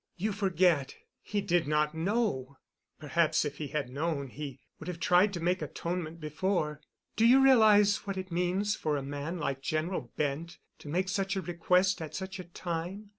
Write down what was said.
"You forget—he did not know. Perhaps if he had known he would have tried to make atonement before. Do you realize what it means for a man like General Bent to make such a request at such a time?